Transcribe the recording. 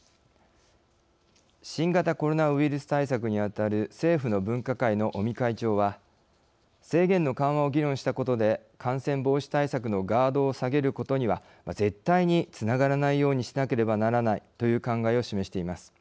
新型コロナウイルス対策にあたる政府の分科会の尾身会長は制限の緩和を議論したことで感染防止対策のガードを下げることには絶対につながらないようにしなければならないという考えを示しています。